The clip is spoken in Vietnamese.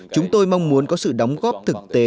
chúng tôi mong muốn có sự đóng góp thực tế